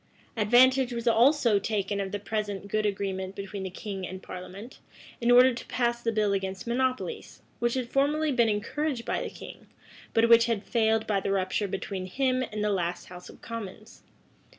Advantage was also taken of the present good agreement between the king and parliament, in order to pass the bill against monopolies, which had formerly been encouraged by the king, but which had failed by the rupture between him and the last house of commons.